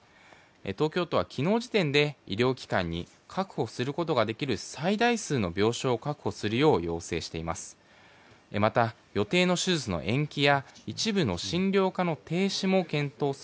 東京都は昨日時点で医療機関に確保することができる最大数の病床を確保するよう要請しています。